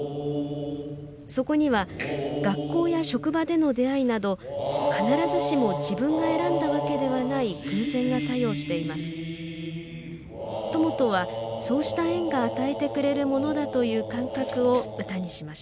そこには学校や職場での出会いなど必ずしも自分が選んだわけではない偶然が作用しています。